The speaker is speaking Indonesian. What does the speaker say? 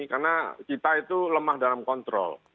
karena kita itu lemah dalam kontrol